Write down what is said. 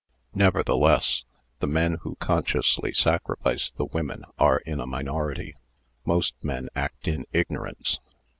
Nevertheless, the men who consciously sacrifice the women are in a minority. Most men act in ignorance.